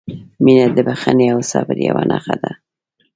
• مینه د بښنې او صبر یوه نښه ده.